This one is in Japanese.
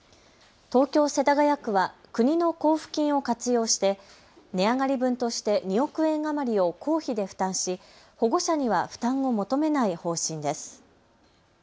東京世田谷区は国の交付金を活用して値上がり分として２億円余りを公費で負担し保護者には負担を求めない方針です。